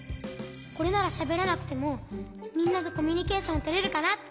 これならしゃべらなくてもみんなとコミュニケーションとれるかなって。